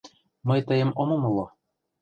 — Мый тыйым ом умыло.